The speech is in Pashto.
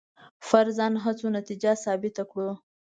فرضاً هڅو نتیجه ثابته کړو.